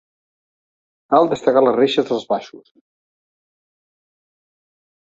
Cal destacar les reixes dels baixos.